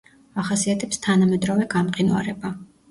ახასიათებს თანამედროვე გამყინვარება.